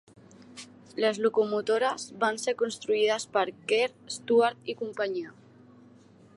Les locomotores van ser construïdes per Kerr, Stuart i companyia.